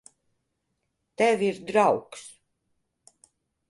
Tev ir draugs.